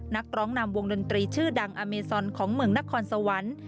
นักร้องนำวงดนตรีชื่อดังอเมซอนของเมืองนครสวรรค์